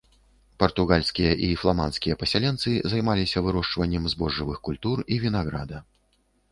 Партугальскія і фламандскія пасяленцы займаліся вырошчваннем збожжавых культур і вінаграда.